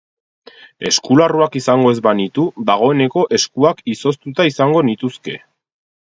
Eskularruak izango ez banitu dagoeneko eskuak izoztuta izango nituzke.